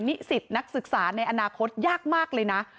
นิสิตนักศึกษาในอนาคตยากมากเลยนะ